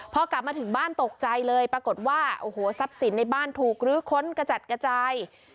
พอกลับมาถึงบ้านตกใจเลยปรากฏว่าโอ้โหทรัพย์สินในบ้านถูกลื้อค้นกระจัดกระจาย